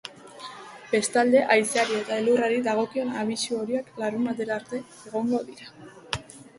Bestalde, haizeari eta elurrari dagokien abisu horiak larunbatera arte egongo dira indarrean.